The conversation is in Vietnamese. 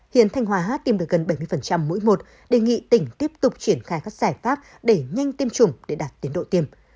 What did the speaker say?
hiện thanh hóa tìm được gần bảy mươi mũi một đề nghị tỉnh tiếp tục triển khai các giải pháp để nhanh tiêm chủng để đạt tiến độ tiêm